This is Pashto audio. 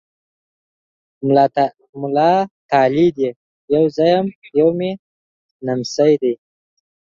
مولا تالی دی! يو زه یم، یو مې نمسی دی۔